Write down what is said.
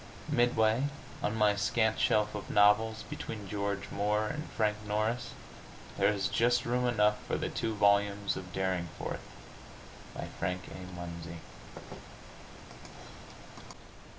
Midway on my scant shelf of novels, between George Moore and Frank Norris, there is just room enough for the two volumes of "Derringforth," by Frank A. Munsey.